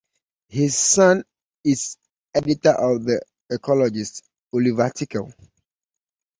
His son is editor of the Ecologist, Oliver Tickell.